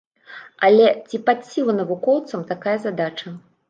Але ці пад сілу навукоўцам такая задача?